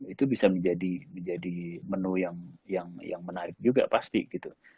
itu bisa menjadi menu yang menarik juga pasti gitu